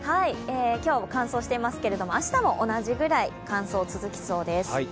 今日は乾燥していますけど明日も同じぐらい乾燥が続きそうです。